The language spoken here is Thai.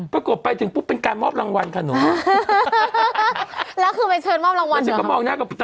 ปรากฏไปเป็นการมอบรางวัลค่ะหนู